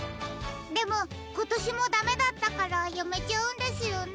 でもことしもダメだったからやめちゃうんですよね。